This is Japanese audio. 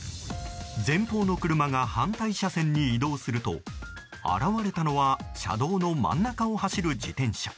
前方の車が反対車線に移動すると現れたのは車道の真ん中を走る自転車。